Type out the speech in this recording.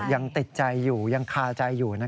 ยังติดใจอยู่ยังคาใจอยู่